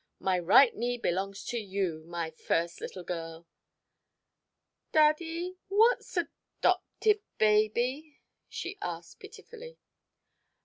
My right knee belongs to you, my first little girl." "Daddy, what's a 'dopted baby?" she asked pitifully.